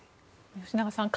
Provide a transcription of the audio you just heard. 吉永さん